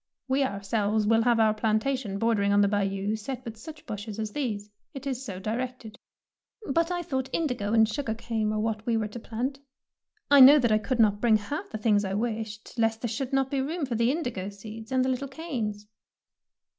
We our selves will have our plantation border ing on the Bayou set with such bushes as these; it is so directed.'' " But I thought indigo and sugar cane were what we were to plant. I know that I could not bring half the 165 DEEDS OF DARING things I wished, lest there should not be room for the indigo seeds and the little canes.